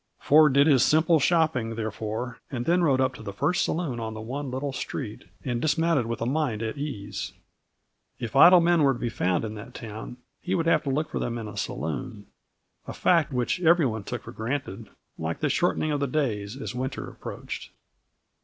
Ford did his simple shopping, therefore, and then rode up to the first saloon on the one little street, and dismounted with a mind at ease. If idle men were to be found in that town, he would have to look for them in a saloon; a fact which every one took for granted, like the shortening of the days as winter approached.